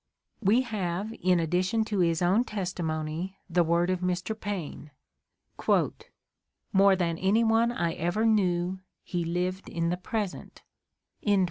We have, in addition to his own testimony, the word of Mr. Paine: "More than any one I ever knew, he lived in the present."